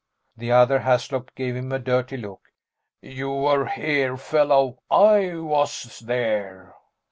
The other Haslop gave him a dirty look. "You were here, fellow I was there."